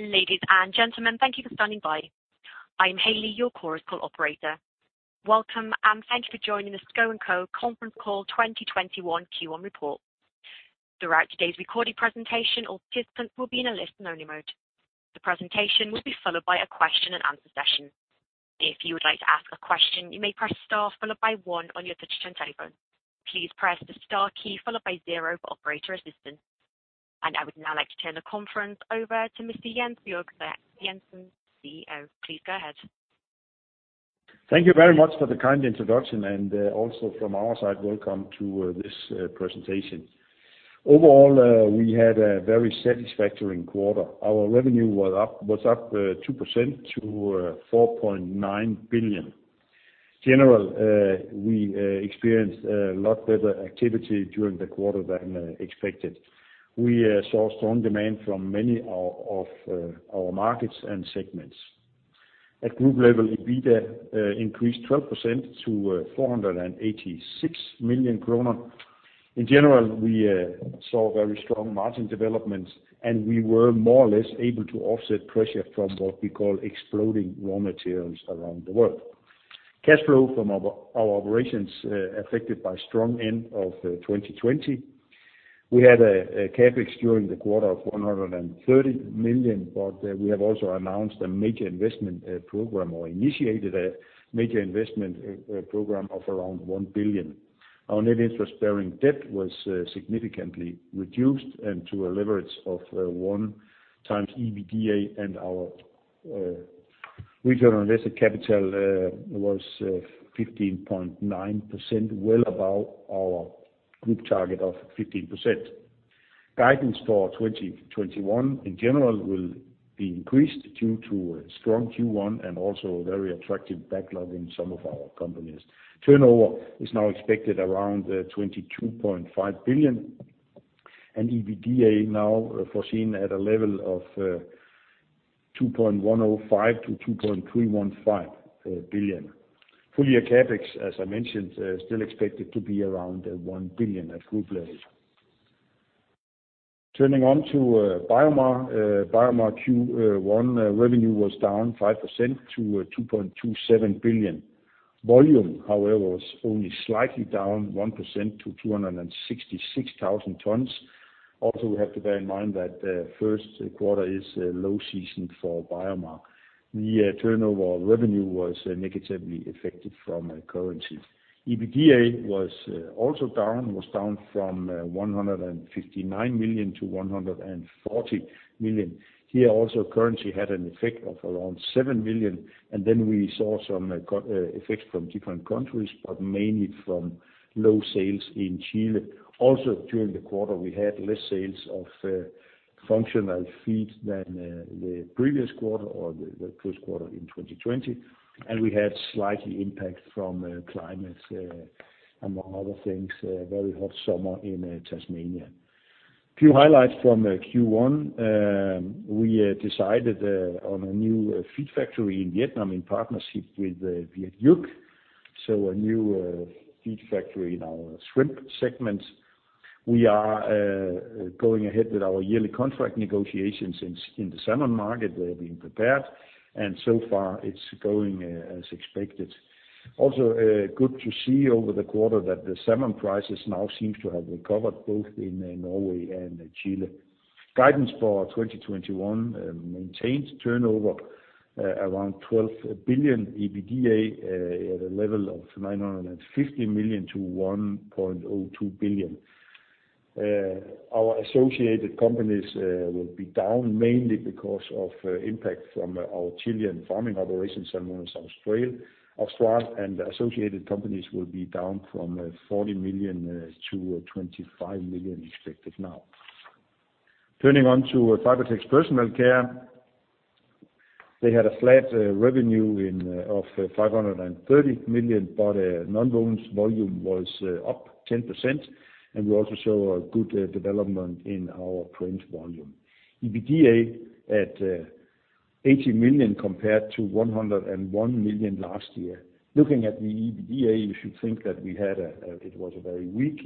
Ladies and gentlemen, thank you for standing by. I'm Hailey, your Chorus Call operator. Welcome, and thank you for joining the Schouw & Co. Conference Call 2021 Q1 Report. Throughout today's recorded presentation, all participants will be in a listen-only mode. The presentation will be followed by a question and answer session. If you would like to ask a question, you may press star followed by one on your touch-tone telephone. Please press the star key followed by zero for operator assistance. I would now like to turn the conference over to Mr. Jens Bjerg Sørensen, CEO. Please go ahead. Thank you very much for the kind introduction and also from our side, welcome to this presentation. Overall, we had a very satisfactory quarter. Our revenue was up 2% to 4.9 billion. General, we experienced a lot better activity during the quarter than expected. We saw strong demand from many of our markets and segments. At group level, EBITDA increased 12% to 486 million kroner. In general, we saw very strong margin developments, and we were more or less able to offset pressure from what we call exploding raw materials around the world. Cash flow from our operations affected by strong end of 2020. We had a CapEx during the quarter of 130 million, but we have also announced a major investment program or initiated a major investment program of around 1 billion. Our net interest-bearing debt was significantly reduced and to a leverage of one times EBITDA and our return on invested capital was 15.9%, well above our group target of 15%. Guidance for 2021 in general will be increased due to a strong Q1 and also very attractive backlog in some of our companies. Turnover is now expected around 22.5 billion and EBITDA now foreseen at a level of 2.105 billion-2.315 billion. Full-year CapEx, as I mentioned, still expected to be around 1 billion at group level. Turning on to BioMar. BioMar Q1 revenue was down 5% to 2.27 billion. Volume, however, was only slightly down 1% to 266,000 tons. Also, we have to bear in mind that first quarter is a low season for BioMar. The turnover revenue was negatively affected from currency. EBITDA was also down from 159 million-140 million. Here, currency had an effect of around 7 million. We saw some effects from different countries, but mainly from low sales in Chile. During the quarter, we had less sales of functional feeds than the previous quarter or the first quarter in 2020. We had slight impact from climate, among other things, very hot summer in Tasmania. Few highlights from Q1. We decided on a new feed factory in Vietnam in partnership with Viet-Uc, a new feed factory in our shrimp segment. We are going ahead with our yearly contract negotiations in the salmon market. They're being prepared. So far it's going as expected. Good to see over the quarter that the salmon prices now seem to have recovered both in Norway and Chile. Guidance for 2021 maintained turnover around 12 billion, EBITDA at a level of 950 million-1.02 billion. Our associated companies will be down mainly because of impact from our Chilean farming operations and Salmones Austral, associated companies will be down from 40 million-25 million expected now. Turning on to Fibertex Personal Care. They had a flat revenue of 530 million, nonwovens volume was up 10%, we also show a good development in our print volume. EBITDA at 80 million compared to 101 million last year. Looking at the EBITDA, you should think that it was a very weak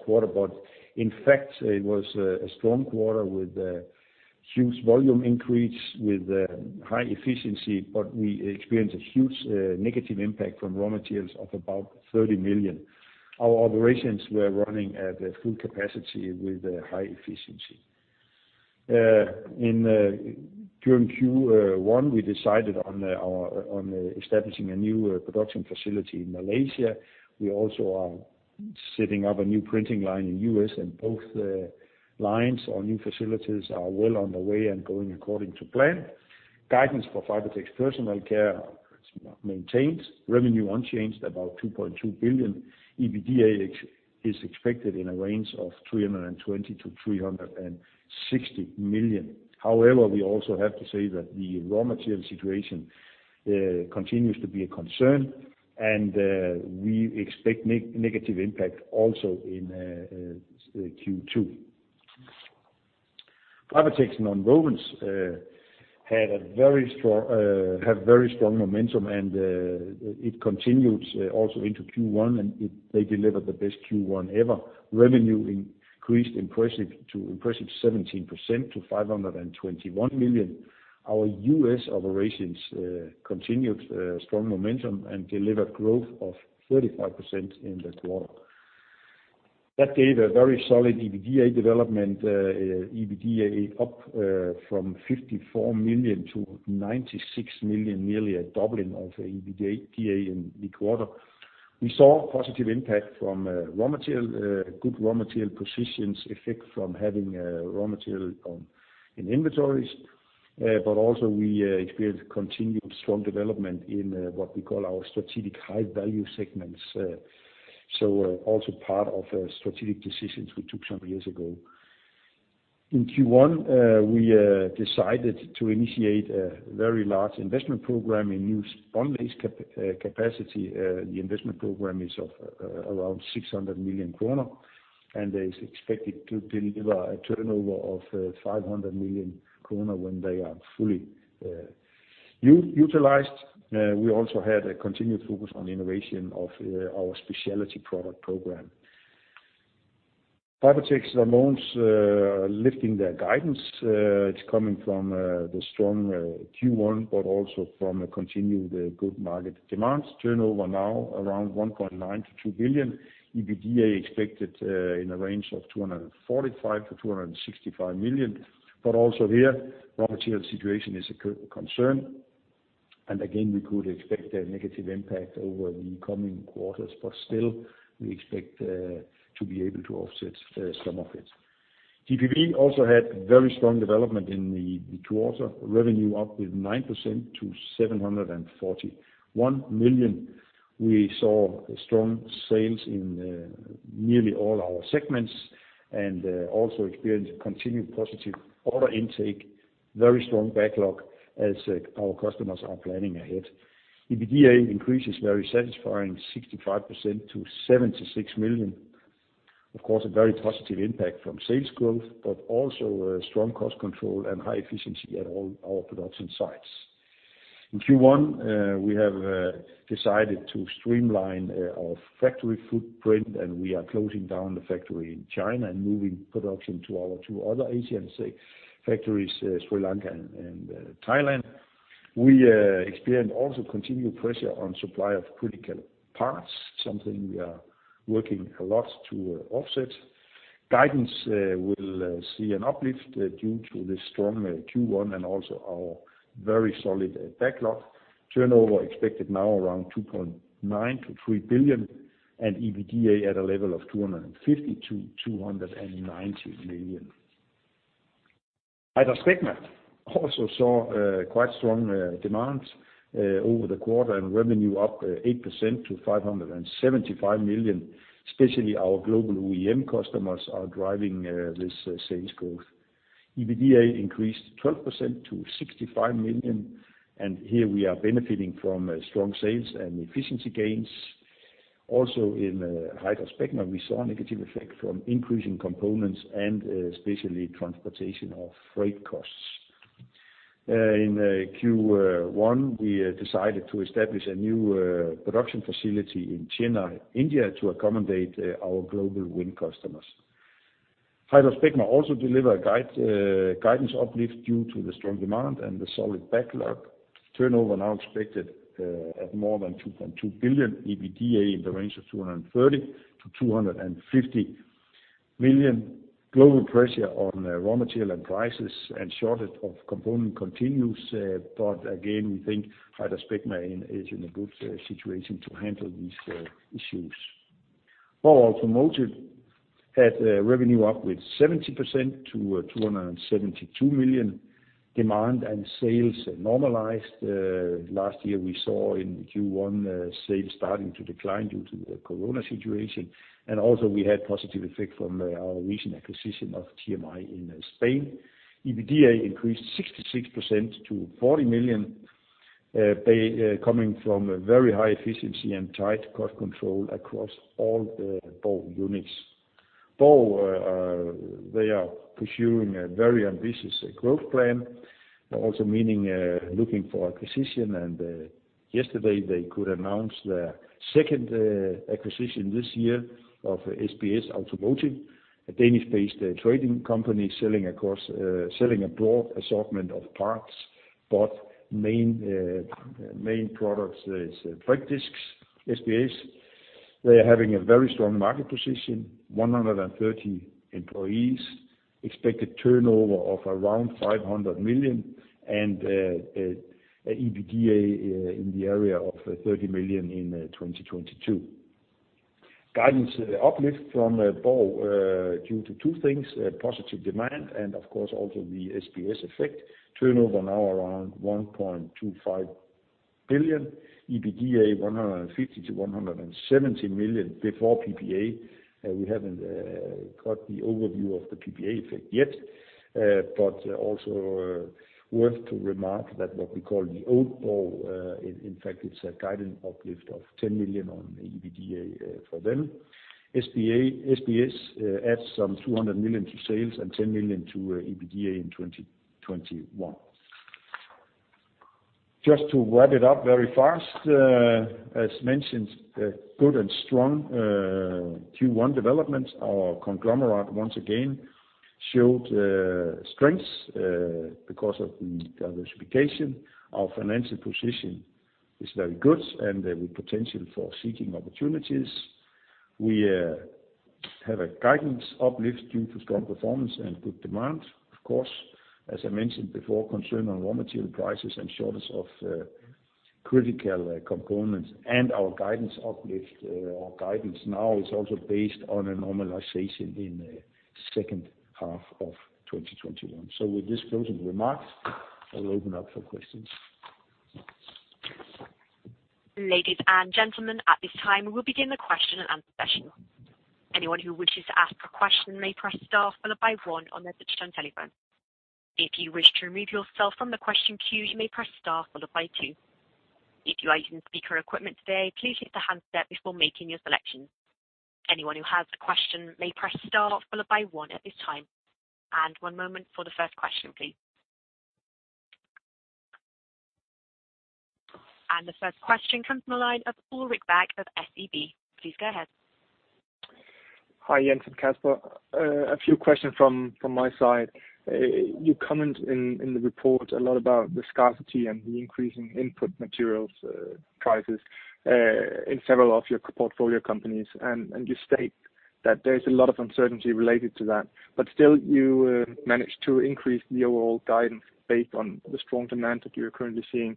quarter, in fact, it was a strong quarter with a huge volume increase with high efficiency, we experienced a huge negative impact from raw materials of about 30 million. Our operations were running at full capacity with high efficiency. During Q1, we decided on establishing a new production facility in Malaysia. We also are setting up a new printing line in U.S., and both lines, our new facilities are well on the way and going according to plan. Guidance for Fibertex Personal Care is maintained. Revenue unchanged, about 2.2 billion. EBITDA is expected in a range of 320 million-360 million. However, we also have to say that the raw material situation continues to be a concern, and we expect negative impact also in Q2. Fibertex Nonwovens had a very strong momentum and it continues also into Q1, and they delivered the best Q1 ever. Revenue increased to impressive 17% to 521 million. Our U.S. operations continued strong momentum and delivered growth of 35% in that quarter. That gave a very solid EBITDA development, EBITDA up from 54 million to 96 million, nearly a doubling of the EBITDA in the quarter. We saw positive impact from good raw material positions, effect from having raw material in inventories. We also experienced continued strong development in what we call our strategic high-value segments. Also part of strategic decisions we took some years ago. In Q1, we decided to initiate a very large investment program in new spunlace capacity. The investment program is of around 600 million kroner, and is expected to deliver a turnover of 500 million kroner when they are fully utilized. We also had a continued focus on the innovation of our specialty product program. Fibertex Nonwovens are lifting their guidance. It's coming from the strong Q1, also from a continued good market demands. Turnover now around 1.9 billion-2 billion. EBITDA expected in a range of 245 million-265 million. Also here, raw material situation is a concern. Again, we could expect a negative impact over the coming quarters, but still we expect to be able to offset some of it. GPV also had very strong development in the quarter. Revenue up with 9% to 741 million. We saw strong sales in nearly all our segments and also experienced continued positive order intake, very strong backlog as our customers are planning ahead. EBITDA increase is very satisfying, 65% to 76 million. Of course, a very positive impact from sales growth, but also strong cost control and high efficiency at all our production sites. In Q1, we have decided to streamline our factory footprint, we are closing down the factory in China and moving production to our two other Asian factories, Sri Lanka and Thailand. We experienced also continued pressure on supply of critical parts, something we are working a lot to offset. Guidance will see an uplift due to the strong Q1 and also our very solid backlog. Turnover expected now around 2.9 billion-3 billion and EBITDA at a level of 250 million-290 million. HydraSpecma also saw quite strong demand over the quarter and revenue up 8% to 575 million. Especially our global OEM customers are driving this sales growth. EBITDA increased 12% to 65 million, and here we are benefiting from strong sales and efficiency gains. Also in HydraSpecma, we saw a negative effect from increasing components and especially transportation of freight costs. In Q1, we decided to establish a new production facility in Chennai, India, to accommodate our global wind customers. HydraSpecma also deliver a guidance uplift due to the strong demand and the solid backlog. Turnover now expected at more than 2.2 billion. EBITDA in the range of 230 million-250 million. Global pressure on raw material and prices and shortage of component continues. Again, we think HydraSpecma is in a good situation to handle these issues. BORG Automotive had revenue up with 70% to 272 million. Demand and sales normalized. Last year, we saw in Q1 sales starting to decline due to the COVID-19 situation. Also we had positive effect from our recent acquisition of TMI in Spain. EBITDA increased 66% to 40 million, coming from a very high efficiency and tight cost control across all the BORG units. BORG, they are pursuing a very ambitious growth plan, also meaning looking for acquisition and yesterday they could announce their second acquisition this year of SBS Automotive, a Danish-based trading company selling a broad assortment of parts, but main product is brake discs. SBS, they're having a very strong market position, 130 employees, expected turnover of around 500 million and EBITDA in the area of 30 million in 2022. Guidance uplift from BORG due to two things, positive demand and of course also the SBS effect. Turnover now around 1.25 billion. EBITDA 150 million-170 million before PPA. We haven't got the overview of the PPA effect yet. Also worth to remark that what we call the old BORG, in fact, it's a guidance uplift of 10 million on EBITDA for them. SBS adds some 200 million to sales and 10 million to EBITDA in 2021. Just to wrap it up very fast. As mentioned, good and strong Q1 development. Our conglomerate, once again, showed strengths because of the diversification. Our financial position is very good and with potential for seeking opportunities. We have a guidance uplift due to strong performance and good demand. As I mentioned before, concern on raw material prices and shortage of critical components and our guidance uplift. Our guidance now is also based on a normalization in the second half of 2021. With this closing remarks, I'll open up for questions. One moment for the first question, please. The first question comes from the line of Ulrik Bagge of SEB. Please go ahead. Hi, Jens and Kasper. A few questions from my side. You comment in the report a lot about the scarcity and the increasing input materials prices in several of your portfolio companies. You state that there's a lot of uncertainty related to that, but still you managed to increase the overall guidance based on the strong demand that you're currently seeing.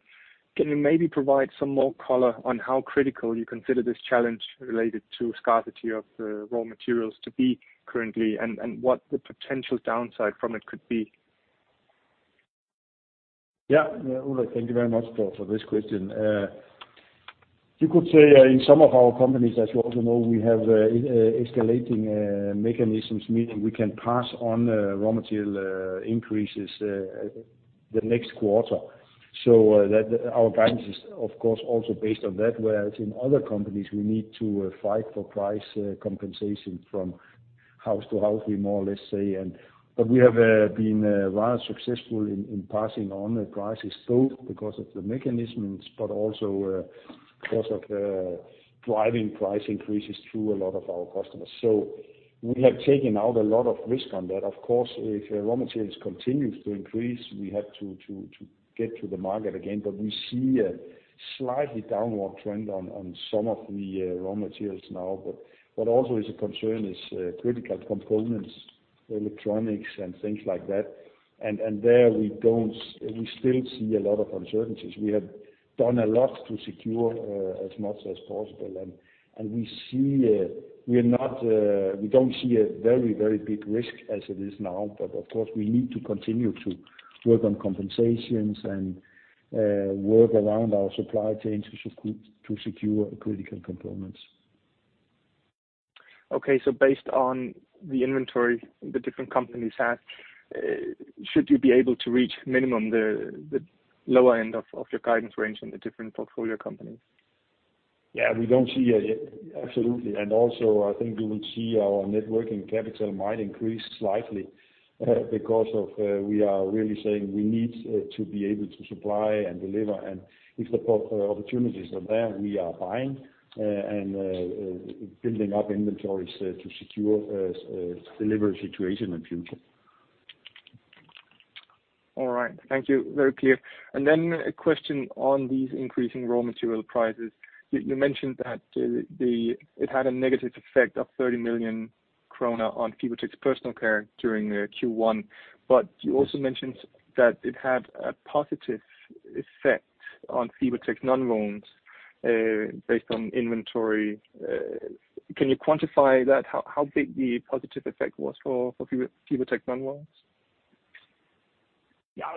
Can you maybe provide some more color on how critical you consider this challenge related to scarcity of raw materials to be currently and what the potential downside from it could be? Yeah. Ulrik, thank you very much for this question. You could say, in some of our companies, as you also know, we have escalating mechanisms, meaning we can pass on raw material increases the next quarter. Our guidance is of course also based on that, whereas in other companies, we need to fight for price compensation from house to house, let's say. We have been rather successful in passing on the prices, both because of the mechanisms but also because of driving price increases through a lot of our customers. We have taken out a lot of risk on that. Of course, if raw materials continues to increase, we have to get to the market again. We see a slightly downward trend on some of the raw materials now. What also is a concern is critical components, electronics, and things like that. There, we still see a lot of uncertainties. We have done a lot to secure as much as possible, and we don't see a very big risk as it is now. Of course, we need to continue to work on compensations and work around our supply chain to secure critical components. Okay. Based on the inventory the different companies have, should you be able to reach minimum the lower end of your guidance range in the different portfolio companies? Yeah, we don't see. Absolutely. Also, I think you will see our net working capital might increase slightly because of we are really saying we need to be able to supply and deliver. If the opportunities are there, we are buying and building up inventories to secure a delivery situation in future. All right. Thank you. Very clear. A question on these increasing raw material prices. You mentioned that it had a negative effect of 30 million krone on Fibertex Personal Care during Q1, but you also mentioned that it had a positive effect on Fibertex Nonwovens based on inventory. Can you quantify that, how big the positive effect was for Fibertex Nonwovens?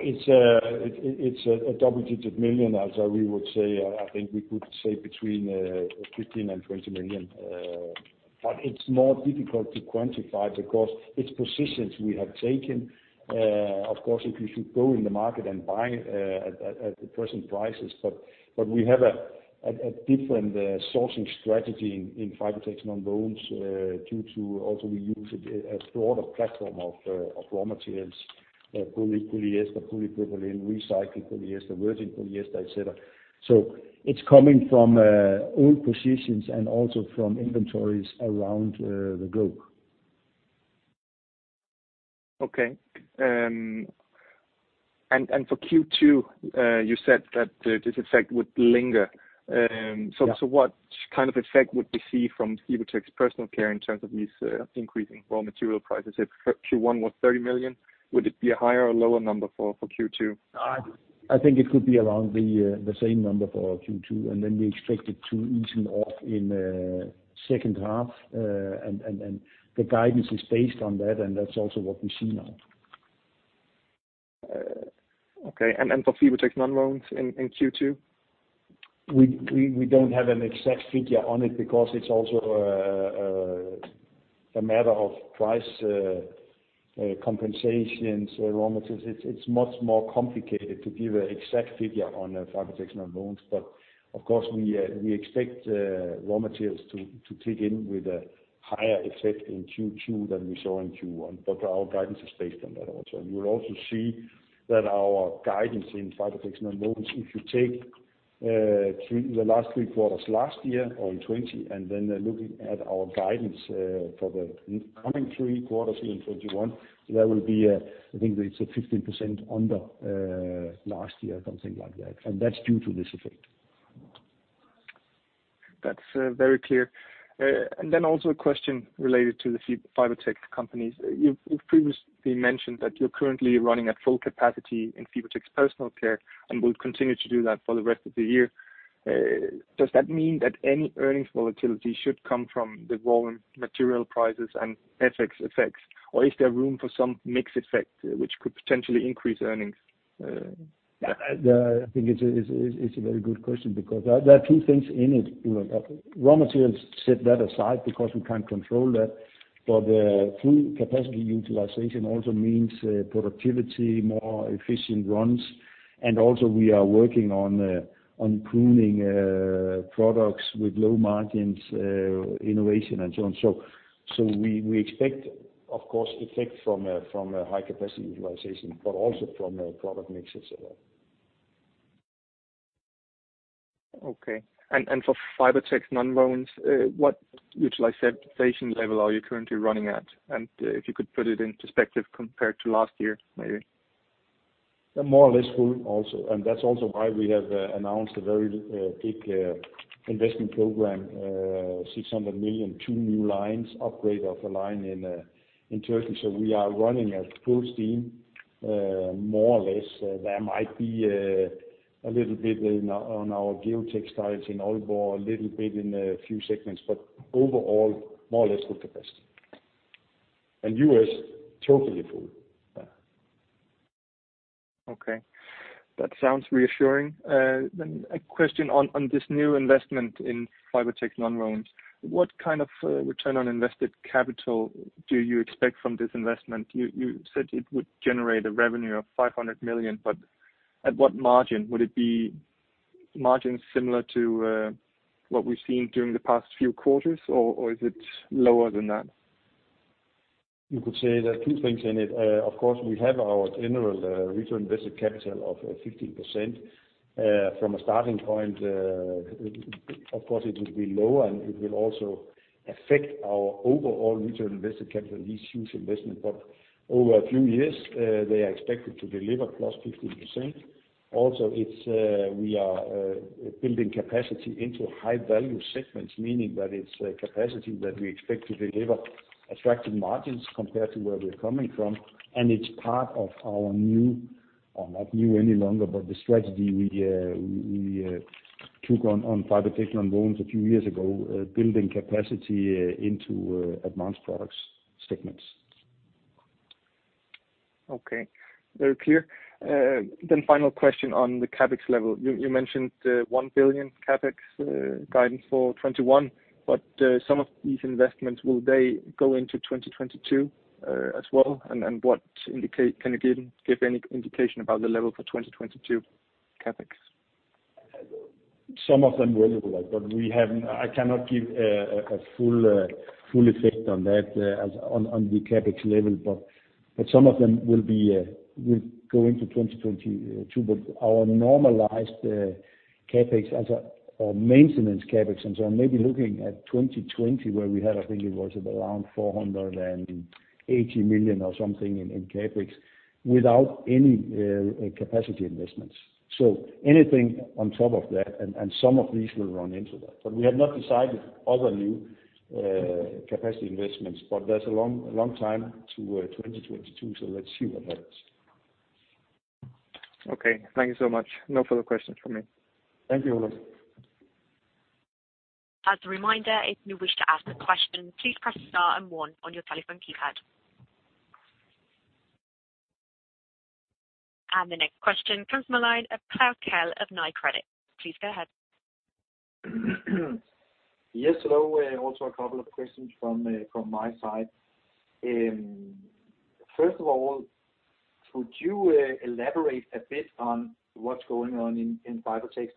It's a double-digit million, as we would say. I think we could say between 15 million and 20 million. It's more difficult to quantify because it's positions we have taken. Of course, if you should go in the market and buy at the present prices, but we have a different sourcing strategy in Fibertex Nonwovens due to also we use a broader platform of raw materials, polyester, polypropylene, recycled polyester, virgin polyester, et cetera. It's coming from old positions and also from inventories around the globe. Okay. For Q2, you said that this effect would linger. Yeah. What kind of effect would we see from Fibertex Personal Care in terms of these increasing raw material prices? If Q1 was 30 million, would it be a higher or lower number for Q2? I think it could be around the same number for Q2, and then we expect it to even off in the second half. The guidance is based on that, and that's also what we see now. Okay. For Fibertex Nonwovens in Q2? We don't have an exact figure on it because it's also a matter of price compensations, raw materials. It's much more complicated to give an exact figure on Fibertex Nonwovens, but of course, we expect raw materials to kick in with a higher effect in Q2 than we saw in Q1. Our guidance is based on that also. You will also see that our guidance in Fibertex Nonwovens, if you take in the last three quarters last year in 2020, and then looking at our guidance for the coming three quarters in 2021, there will be a, I think it's a 15% under last year, something like that. That's due to this effect. That's very clear. Also a question related to the Fibertex companies. You've previously mentioned that you're currently running at full capacity in Fibertex Personal Care and will continue to do that for the rest of the year. Does that mean that any earnings volatility should come from the raw material prices and FX effects? Is there room for some mix effect which could potentially increase earnings? I think it's a very good question because there are two things in it. Raw materials, set that aside because we can't control that, but full capacity utilization also means productivity, more efficient runs, and also we are working on pruning products with low margins, innovation, and so on. We expect, of course, effect from high capacity utilization, but also from product mixes as well. Okay. For Fibertex Nonwovens, what utilization level are you currently running at? If you could put it in perspective compared to last year, maybe. More or less full also. That's also why we have announced a very big investment program, 600 million, two new lines, upgrade of a line in Turkey. We are running at full steam, more or less. There might be a little bit on our geotextiles in Aalborg, a little bit in a few segments, but overall, more or less full capacity. U.S., totally full. Yeah. Okay. That sounds reassuring. A question on this new investment in Fibertex Nonwovens. What kind of return on invested capital do you expect from this investment? You said it would generate a revenue of 500 million, but at what margin? Would it be margin similar to what we've seen during the past few quarters, or is it lower than that? You could say there are two things in it. Of course, we have our general return on invested capital of 15%. From a starting point, of course it will be lower, and it will also affect our overall return on invested capital, these huge investments. Over a few years, they are expected to deliver plus 15%. Also, we are building capacity into high-value segments, meaning that it's capacity that we expect to deliver attractive margins compared to where we're coming from. It's part of our new, or not new any longer, but the strategy we took on Fibertex Nonwovens a few years ago, building capacity into advanced products segments. Okay. Very clear. Final question on the CapEx level. You mentioned the 1 billion CapEx guidance for 2021. Some of these investments, will they go into 2022 as well? What can you give any indication about the level for 2022 CapEx? Some of them will, Ulrik. I cannot give a full effect on that on the CapEx level. Some of them will go into 2022. Our normalized CapEx as a maintenance CapEx, and so on, maybe looking at 2020 where we had, I think it was at around 480 million or something in CapEx without any capacity investments. Anything on top of that, and some of these will run into that. We have not decided other new capacity investments. There's a long time to 2022, so let's see what happens. Okay. Thank you so much. No further questions from me. Thank you, Ulrik. As a reminder, if you wish to ask a question, please press star and one on your telephone keypad. The next question comes from the line of Claus Kjeldgaard of Nykredit. Please go ahead. Yes, hello. A couple of questions from my side. First of all, could you elaborate a bit on what's going on in Fibertex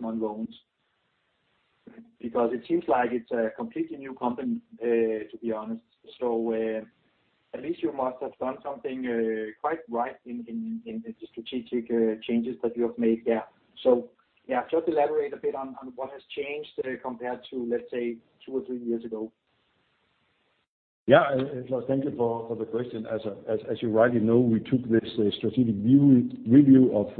Nonwovens? It seems like it's a completely new company, to be honest. At least you must have done something quite right in the strategic changes that you have made there. Just elaborate a bit on what has changed compared to, let's say, two or three years ago. Yeah. Thank you for the question. As you rightly know, we took this strategic review of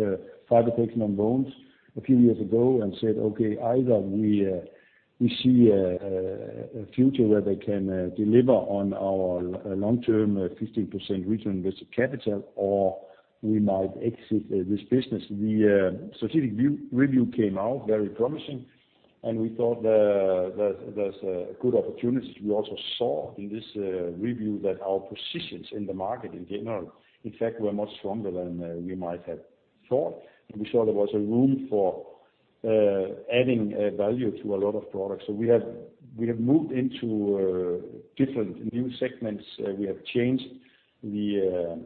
Fibertex Nonwovens a few years ago and said, okay, either we see a future where they can deliver on our long-term 15% return on invested capital, or we might exit this business. The strategic review came out very promising, and we thought there's good opportunities. We also saw in this review that our positions in the market in general, in fact, were much stronger than we might have thought. We saw there was a room for adding value to a lot of products. We have moved into different new segments. We have changed the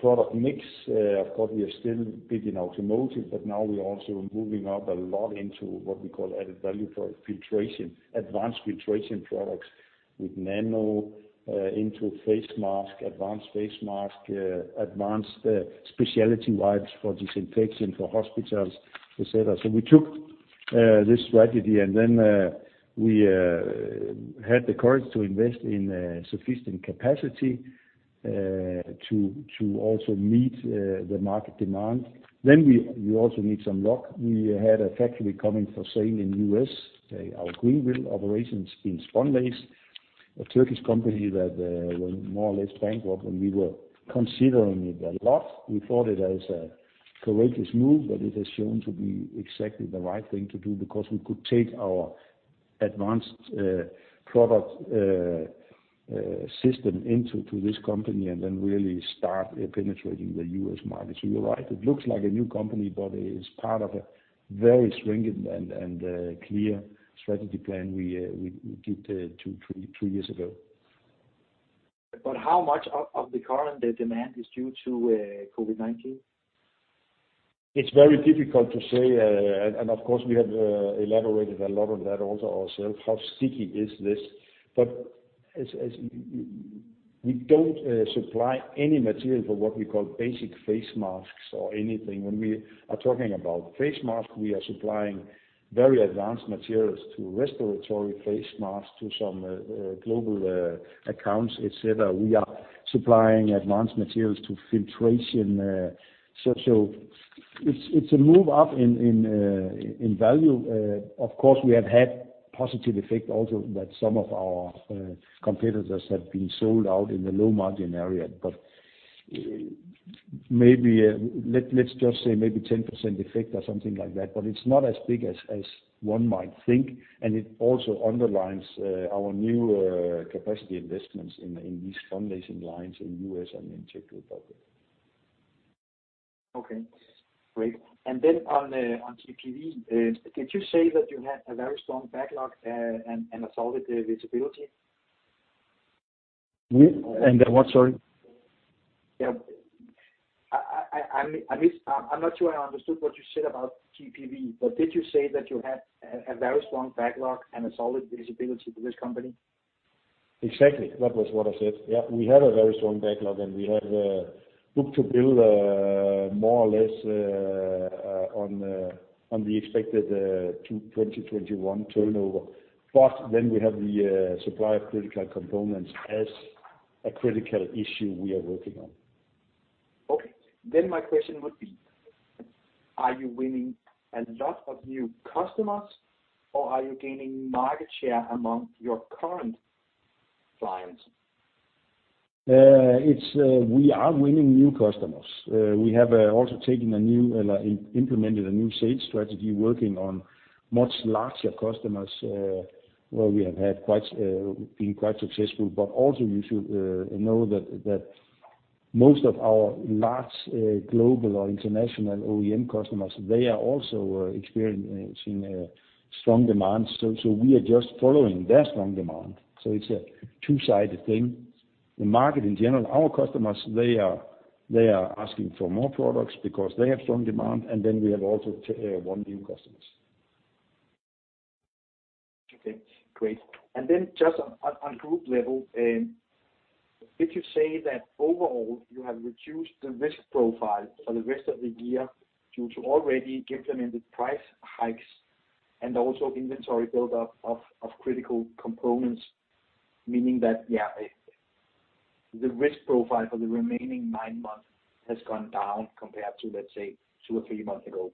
product mix. Of course, we are still big in automotive, but now we are also moving up a lot into what we call added value for filtration, advanced filtration products with nano into face mask, advanced face mask, advanced specialty wipes for disinfection for hospitals, et cetera. We took this strategy, and then we had the courage to invest in sufficient capacity to also meet the market demand. We also need some luck. We had a factory coming for sale in the U.S., our Greenville operations in spunlace, a Turkish company that went more or less bankrupt and we were considering it a lot. We thought it as a courageous move, but it has shown to be exactly the right thing to do because we could take our advanced product system into this company and then really start penetrating the U.S. market. You're right, it looks like a new company, but it is part of a very stringent and clear strategy plan we did two, three years ago. How much of the current demand is due to COVID-19? It's very difficult to say, and of course we have elaborated a lot on that also ourselves, how sticky is this. As we don't supply any material for what we call basic face masks or anything. When we are talking about face masks, we are supplying very advanced materials to respiratory face masks, to some global accounts, et cetera. We are supplying advanced materials to filtration. It's a move up in value. Of course, we have had positive effect also that some of our competitors have been sold out in the low margin area. Maybe let's just say maybe 10% effect or something like that. It's not as big as one might think, and it also underlines our new capacity investments in these spunlacing lines in U.S. and in Czech Republic. Okay, great. On GPV, did you say that you had a very strong backlog and a solid visibility? The what, sorry? Yeah. I'm not sure I understood what you said about GPV, but did you say that you had a very strong backlog and a solid visibility for this company? Exactly. That was what I said. Yeah. We have a very strong backlog and we have book-to-bill more or less on the expected 2021 turnover. We have the supply of critical components as a critical issue we are working on. Okay. My question would be, are you winning a lot of new customers or are you gaining market share among your current clients? We are winning new customers. We have also implemented a new sales strategy, working on much larger customers, where we have been quite successful. You should know that most of our large global or international OEM customers, they are also experiencing a strong demand. We are just following their strong demand. It's a two-sided thing. The market in general, our customers, they are asking for more products because they have strong demand, and then we have also won new customers. Okay, great. Just on group level, did you say that overall you have reduced the risk profile for the rest of the year due to already implemented price hikes and also inventory buildup of critical components, meaning that the risk profile for the remaining nine months has gone down compared to, let's say, two or three months ago?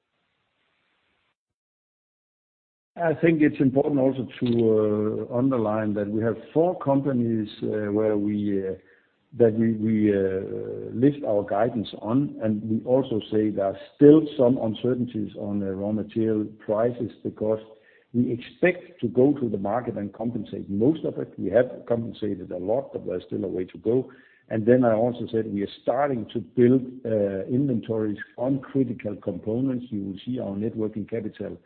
I think it's important also to underline that we have four companies that we lift our guidance on. We also say there are still some uncertainties on raw material prices because we expect to go to the market and compensate most of it. We have compensated a lot. There's still a way to go. I also said we are starting to build inventories on critical components. You will see our net working capital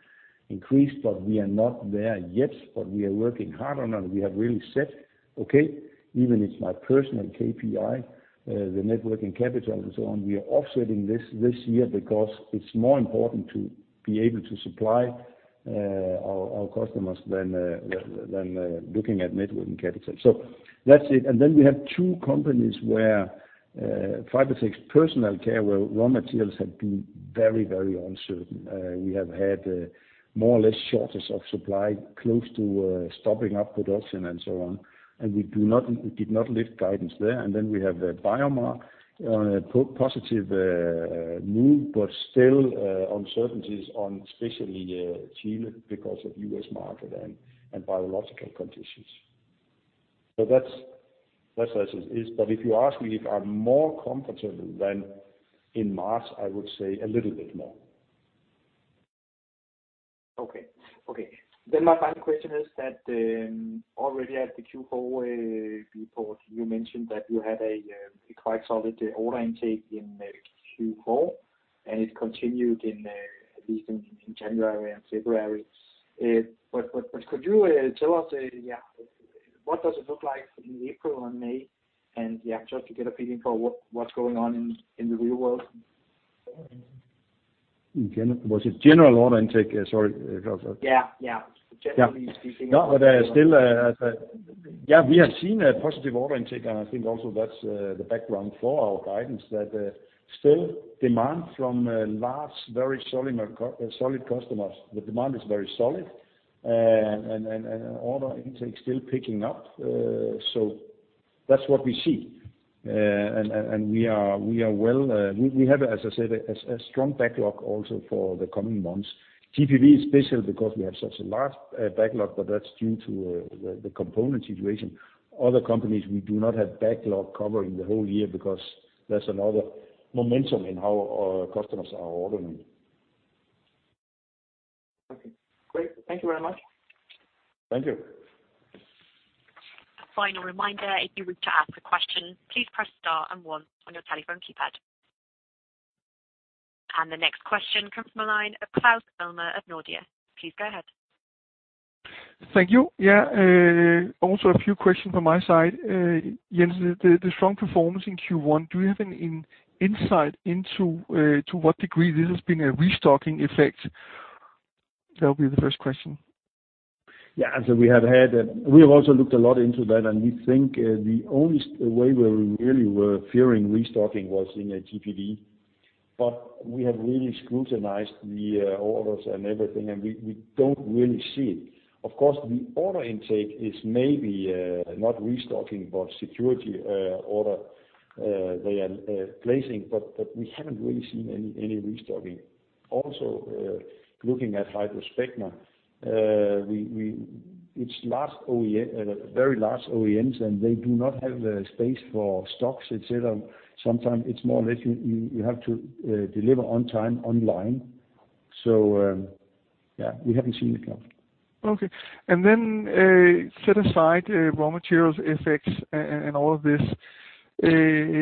increase. We are not there yet. We are working hard on that. We have really said, okay, even it's my personal KPI, the net working capital and so on. We are offsetting this this year because it's more important to be able to supply our customers than looking at net working capital. That's it. Then we have two companies where, Fibertex Personal Care, where raw materials have been very, very uncertain. We have had more or less shortage of supply close to stopping our production and so on, and we did not lift guidance there. Then we have a BioMar on a positive move but still uncertainties on especially Chile because of U.S. market and biological conditions. That's as it is. If you ask me if I'm more comfortable than in March, I would say a little bit more. Okay. My final question is that already at the Q4 report, you mentioned that you had a quite solid order intake in Q4, and it continued at least in January and February. Could you tell us, what does it look like in April and May? Yeah, just to get a feeling for what's going on in the real world. Was it general order intake? Sorry. Yeah. Generally speaking. We have seen a positive order intake, and I think also that's the background for our guidance. The demand from large, very solid customers is very solid and order intake still picking up. That's what we see. We have, as I said, a strong backlog also for the coming months. GPV is special because we have such a large backlog, but that's due to the component situation. Other companies, we do not have backlog covering the whole year because there's another momentum in how our customers are ordering. Okay, great. Thank you very much. Thank you. A final reminder. If you wish to ask a question, please press star and one on your telephone keypad. The next question comes from the line of Claus Almer of Nordea. Please go ahead. Thank you. Yeah. Also a few questions on my side. Jens, the strong performance in Q1, do you have an insight into, to what degree this has been a restocking effect? That'll be the first question. Yeah. We have also looked a lot into that, and we think the only way where we really were fearing restocking was in GPV. We have really scrutinized the orders and everything, and we don't really see it. Of course, the order intake is maybe not restocking, but security order they are placing. We haven't really seen any restocking. Also, looking at HydraSpecma, it's very large OEMs, and they do not have the space for stocks, et cetera. Sometimes it's more or less you have to deliver on time online. Yeah, we haven't seen it now. Okay. Set aside raw materials effects and all of this. Given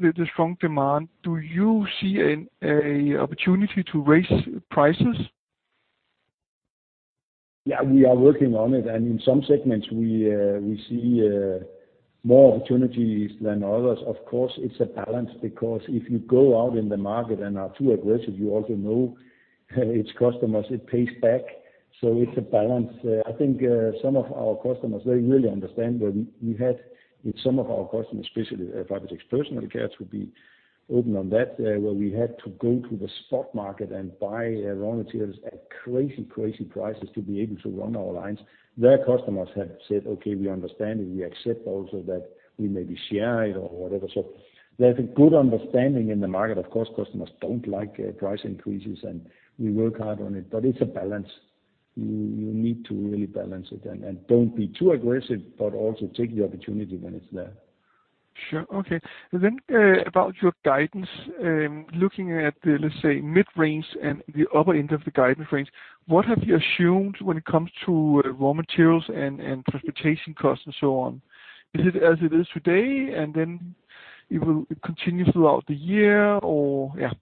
the strong demand, do you see an opportunity to raise prices? Yeah, we are working on it, and in some segments we see more opportunities than others. Of course, it's a balance because if you go out in the market and are too aggressive, you also know it's customers, it pays back. It's a balance. I think some of our customers, they really understand where we had with some of our customers, especially Fibertex Personal Care to be open on that, where we had to go to the spot market and buy raw materials at crazy prices to be able to run our lines. Their customers have said, "Okay, we understand and we accept also that we maybe share it or whatever." There's a good understanding in the market. Of course, customers don't like price increases and we work hard on it, but it's a balance. You need to really balance it and don't be too aggressive, but also take the opportunity when it's there. Sure. Okay. About your guidance, looking at the, let's say mid-range and the upper end of the guidance range, what have you assumed when it comes to raw materials and transportation costs and so on? Is it as it is today and then it will continue throughout the year or yeah?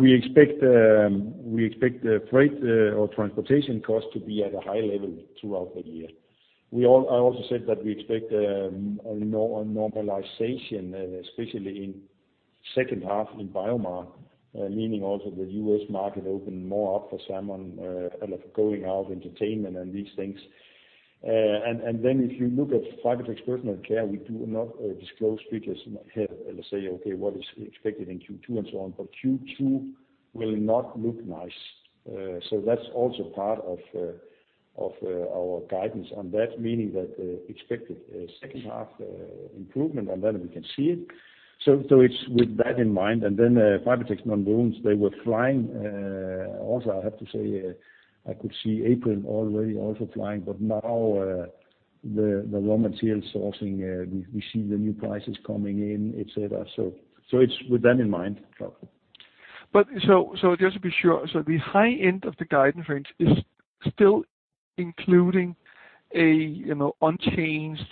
We expect the freight or transportation cost to be at a high level throughout the year. I also said that we expect a normalization, especially in second half in BioMar, meaning also the U.S. market open more up for salmon, going out entertainment and these things. If you look at Fibertex Personal Care, we do not disclose figures and say, okay, what is expected in Q2 and so on, but Q2 will not look nice. That's also part of our guidance on that, meaning that expected second half improvement on that and we can see it. It's with that in mind Fibertex Nonwovens they were flying. I have to say I could see April already also flying but now, the raw material sourcing, we see the new prices coming in, et cetera. It's with that in mind. Just to be sure. The high end of the guidance range is still including an unchanged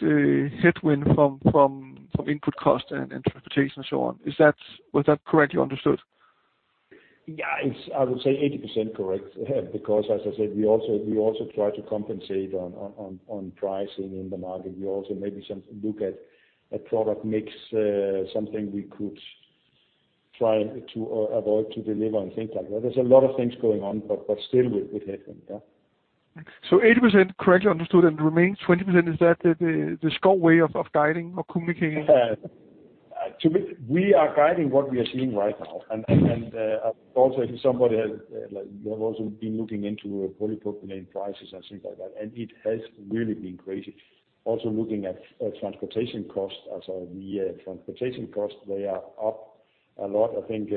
headwind from input cost and transportation and so on. Was that correctly understood? Yeah, it's I would say 80% correct. As I said, we also try to compensate on pricing in the market. We also maybe look at a product mix, something we could try to avoid to deliver and things like that. There's a lot of things going on but still with headwind, yeah. 80% correctly understood and the remaining 20% is that the Schouw way of guiding or communicating? To me, we are guiding what we are seeing right now. Also if somebody has, like, you have also been looking into polypropylene prices and things like that and it has really been crazy. Also looking at transportation cost as of the transportation cost, they are up a lot. I think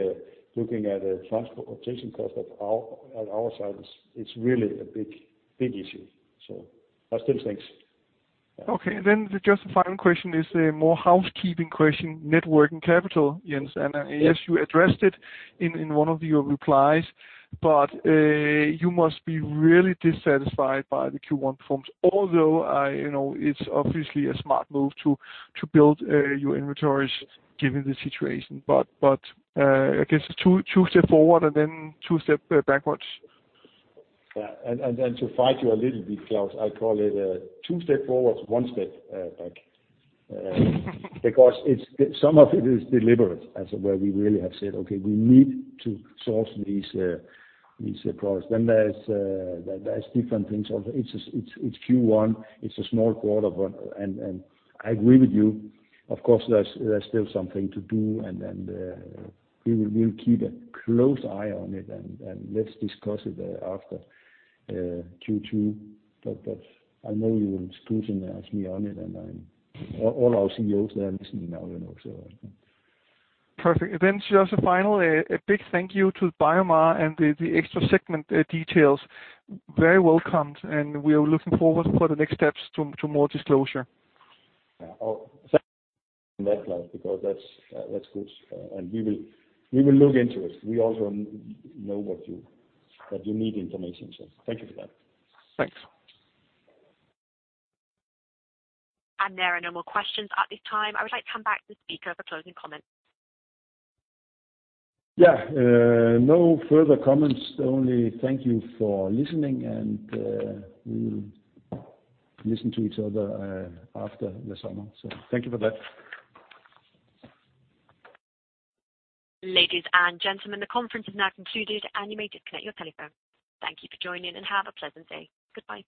looking at the transportation cost at our side it's really a big issue. That's those things. Okay. Just the final question is a more housekeeping question, net working capital, Jens. Yes, you addressed it in one of your replies, but you must be really dissatisfied by the Q1 performance. Although I know it's obviously a smart move to build your inventories given the situation. I guess it's two step forward and then two step backwards. Yeah. To fight you a little bit Claus I call it a two step forwards, one step back. Some of it is deliberate as where we really have said, okay, we need to source these products. There's different things. It's Q1, it's a small quarter. I agree with you, of course there's still something to do and we'll keep a close eye on it and let's discuss it after Q2. I know you will scrutinize me on it and all our CEOs there listening now will also. Perfect. Just a final, a big thank you to BioMar and the extra segment details. Very welcomed and we are looking forward for the next steps to more disclosure. Yeah. Oh, thanks for that Claus because that's good. We will look into it. We also know that you need information, thank you for that. Thanks. There are no more questions at this time. I would like to come back to the speaker for closing comments. Yeah. No further comments only thank you for listening and we'll listen to each other after the summer. Thank you for that. Ladies and gentlemen, the conference is now concluded and you may disconnect your telephone. Thank you for joining and have a pleasant day. Goodbye.